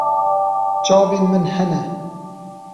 Çavên min hene.